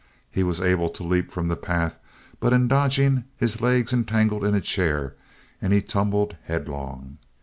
He was able to leap from the path but in dodging his legs entangled in a chair and he tumbled headlong.